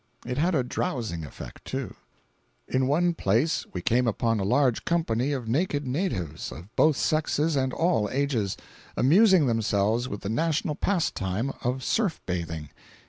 It had a drowsing effect, too. 525.jpg (87K) In one place we came upon a large company of naked natives, of both sexes and all ages, amusing themselves with the national pastime of surf bathing.